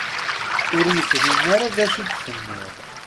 Ur yefhim ara d acu i d-tenniḍ.